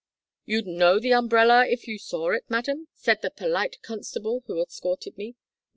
"`You'd know the umbrellar if you saw it, madam,' said the polite constable who escorted me.